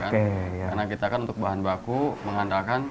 karena kita kan untuk bahan baku mengandalkan